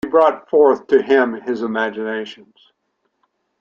She brought forth to him his imaginations.